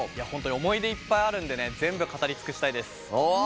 本当に思い出いっぱいあるんでね全部、語りつくしたいです。